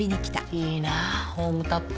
いいなホームタップ。